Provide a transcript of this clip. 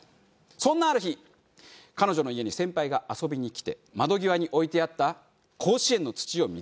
そんなある日彼女の家に先輩が遊びに来て窓際に置いてあった甲子園の土を見付けます。